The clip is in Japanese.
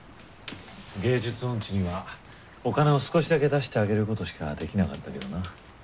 芸術音痴にはお金を少しだけ出してあげることしかできなかったけどな。